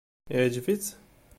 Iɛǧeb-itt?